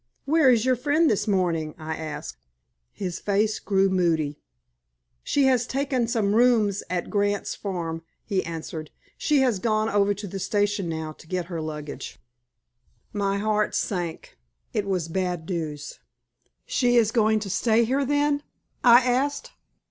"Where is your friend this morning?" I asked. His face grew moody. "She has taken some rooms at Grant's farm," he answered. "She has gone over to the station now to get her luggage." My heart sank. It was bad news. "She is going to stay here, then?" I asked.